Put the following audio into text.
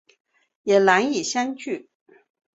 也难以相遇